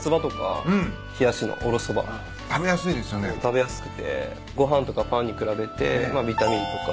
食べやすくてご飯とかパンに比べてビタミンとか。